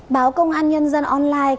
báo công an nhân dân online